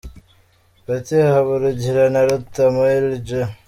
Paty Habarugira na Rutamu Elie Joe .